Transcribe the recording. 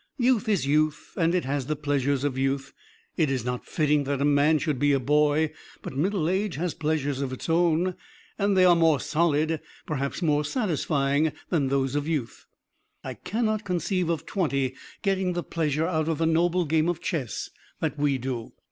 Youth is youth and it has the pleasures of youth. It is not fitting that a man should be a boy, but middle age has pleasures of its own and they are more solid, perhaps more satisfying than those of youth. I can't conceive of twenty getting the pleasure out of the noble game of chess that we do.